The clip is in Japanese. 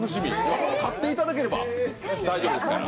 勝っていただければ大丈夫ですから。